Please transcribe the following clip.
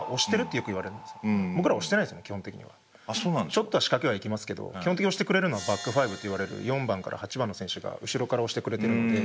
ちょっとは仕掛けは行きますけど基本的に押してくれるのはバックファイブといわれる４番から８番の選手が後ろから押してくれてるので。